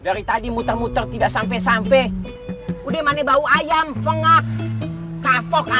dari tadi muter muter tidak sampai sampai udah mana bau ayam fengak kafok anak